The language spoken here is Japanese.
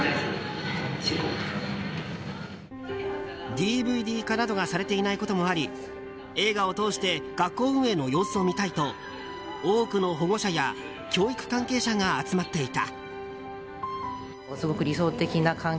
ＤＶＤ化などがされていないこともあり映画を通して学校運営の様子を見たいと多くの保護者や教育関係者が集まっていた。